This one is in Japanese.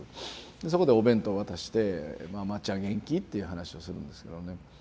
そこでお弁当を渡して「まっちゃん元気？」っていう話をするんですけどね。